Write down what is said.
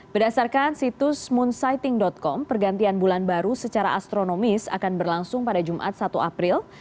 berdasarkan situs moonsighting com pergantian bulan baru secara astronomis akan berlangsung pada jumat satu april